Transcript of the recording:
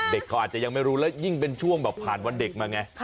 เขาอาจจะยังไม่รู้แล้วยิ่งเป็นช่วงแบบผ่านวันเด็กมาไง